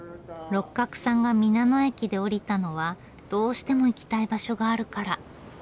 六角さんが皆野駅で降りたのはどうしても行きたい場所があるから。